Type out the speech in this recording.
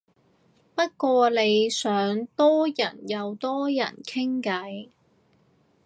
不過你想多人又多人傾偈